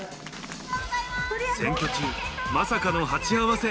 選挙中、まさかの鉢合わせ。